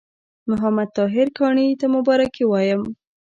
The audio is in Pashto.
محمد طاهر کاڼي ته مبارکي وایم.